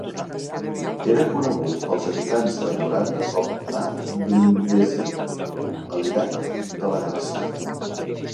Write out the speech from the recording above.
Era conegut pels habitants de Moravia com a "Gnadensee", "el llac de la gràcia".